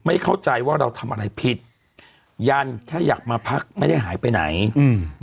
เข้าใจว่าเราทำอะไรผิดยันแค่อยากมาพักไม่ได้หายไปไหนอืม